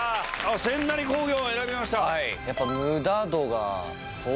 千成工業を選びました。